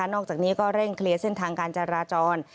อกจากนี้ก็เร่งเคลียร์เส้นทางการจราจร